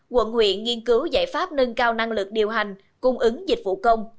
quận huyện nghiên cứu giải pháp nâng cao năng lực điều hành cung ứng dịch vụ công